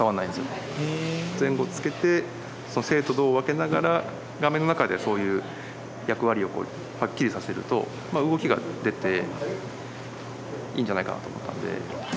前後つけて静と動を分けながら画面の中でそういう役割をはっきりさせると動きが出ていいんじゃないかなと思ったんで。